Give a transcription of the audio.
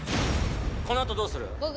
このあとどうする？